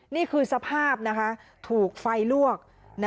นี่คือสภาพถูกไฟลวก